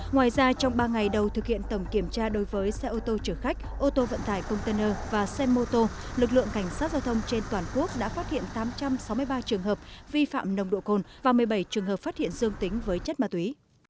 ngoài ra trong ba ngày đầu thực hiện tầm kiểm tra đối với xe ô tô chở khách ô tô vận tải container và xe mô tô lực lượng cảnh sát giao thông trên toàn quốc đã phát hiện tám trăm sáu mươi ba trường hợp vi phạm nồng độ cồn và một mươi bảy trường hợp phát hiện dương tính với chất ma túy